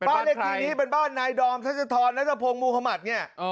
บ้านเลขที่นี้เป็นบ้านนายดอมทัศนธรและสะพงมุธมัธนี่